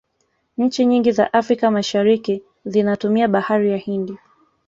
nchi nyingi za africa mashariki zinatumia bahari ya hindi